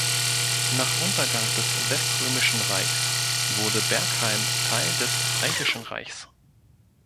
Nach Untergang des Weströmischen Reichs wurde Bergheim Teil des Fränkischen Reichs.